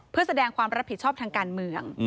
เพื่อแสดงความรับผิดชอบทางการเมือง